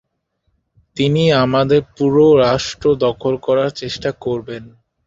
তিনি আমাদের পুরো রাষ্ট্র দখল করার চেষ্টা করবেন।